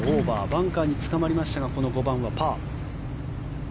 バンカーにつかまりましたがこの５番はパー。